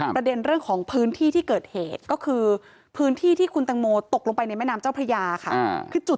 ประเด็นเรื่องของพื้นที่ที่เกิดเหตุก็คือพื้นที่ที่คุณตังโมตกลงไปในแม่น้ำเจ้าพระยาค่ะ